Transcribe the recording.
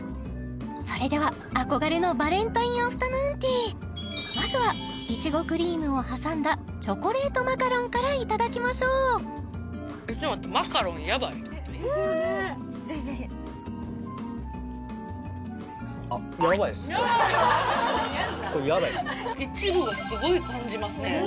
それでは憧れのバレンタインアフタヌーンティーまずはいちごクリームを挟んだチョコレートマカロンからいただきましょう・ぜひぜひこれやばいいちごをすごい感じますね